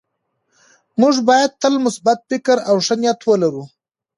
موږ باید تل مثبت فکر او ښه نیت ولرو